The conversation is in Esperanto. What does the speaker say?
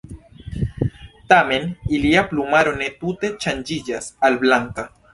Tamen ilia plumaro ne tute ŝanĝiĝas al blanka.